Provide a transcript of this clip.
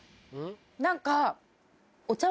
何か。